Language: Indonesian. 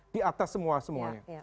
di atas semua semuanya